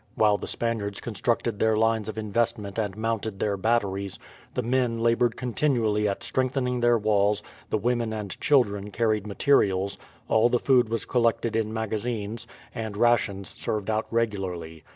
While the Spaniards constructed their lines of investment and mounted their batteries, the men laboured continually at strengthening their walls, the women and children carried materials, all the food was collected in magazines, and rations served out regularly.